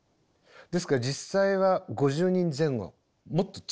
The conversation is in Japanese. ですから実際は５０人前後もっと少ないかな。